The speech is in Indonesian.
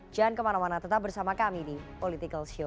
jangan kemana mana tetap bersama kami di politikalshow